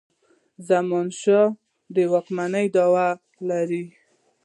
د زمانشاه د واکمنی دعوه لري.